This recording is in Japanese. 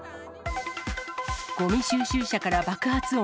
ごみ収集車から爆発音。